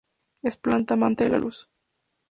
Es planta amante de la luz.